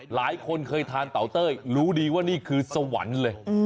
หลายคนเคยทานเตาเต้ยรู้ดีว่านี่คือสวรรค์เลย